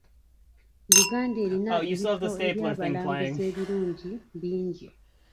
Uganda erina ebifo eby'abalambuzi ebirungi bingi.